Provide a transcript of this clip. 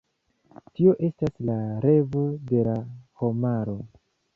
Tio estas la revo de la homaro.